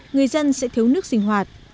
người dân sẽ thiếu nước sinh hoạt